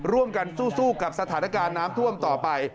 ร่วมกันสู้กับสถานการณ์น้ำท่วมต่อไป